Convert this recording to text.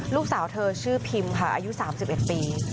ลูกสาวเธอชื่อพิมค่ะอายุ๓๑ปี